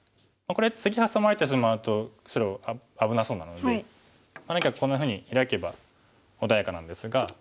これ次ハサまれてしまうと危なそうなので何かこんなふうにヒラけば穏やかなんですが。